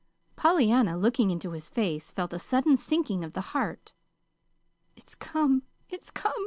Pollyanna, looking into his face, felt a sudden sinking of the heart. "It's come it's come!"